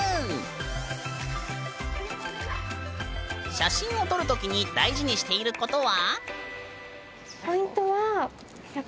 写真を撮るときに大事にしていることは？